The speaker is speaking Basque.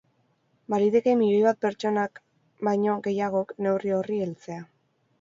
Baliteke milioi bat pertsonak baino gehiagok neurri horri heltzea.